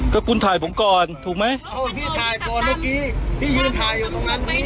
ก็คุณถ่ายผมก่อนถูกไหมพี่ถ่ายก่อนเมื่อกี้พี่ยืนถ่ายอยู่ตรงนั้นไหม